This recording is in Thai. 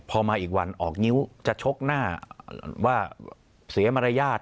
พอมาอีกวันออกนิ้วจะชกหน้าว่าเสียมารยาท